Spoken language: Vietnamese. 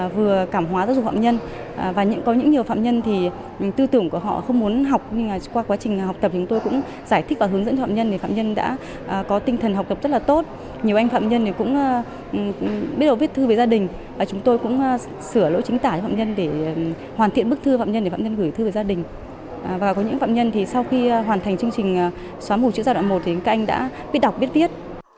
và có những phạm nhân thì sau khi hoàn thành chương trình xóa mũ chữ giai đoạn một thì các anh đã biết đọc biết viết